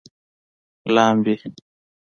لامبي